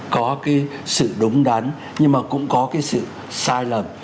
có cái sự đúng đắn nhưng mà cũng có cái sự sai lầm